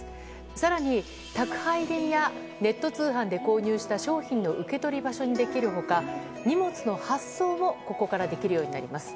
更に、宅配便やネット通販で購入した商品の受け取り場所にできる他荷物の発送もここからできるようになります。